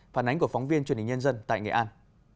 phản ánh của phóng viên truyền hình nhân dân tại nghệ an